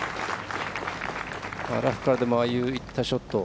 ラフからでもああいったショット。